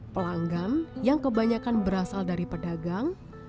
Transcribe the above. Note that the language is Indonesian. pelanggan yang kebanyakan berasal dari pedagang